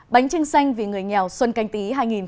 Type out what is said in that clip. bánh trưng xanh vì người nghèo xuân canh tí hai nghìn hai mươi